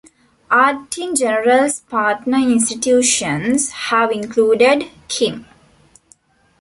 Art in General's partner institutions have included: kim?